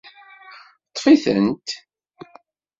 Ṭṭef-itent